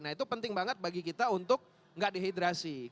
nah itu penting banget bagi kita untuk gak dehydrasi